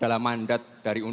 danah yang berharga dan kemampuan